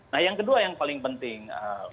nah yang kedua yang paling penting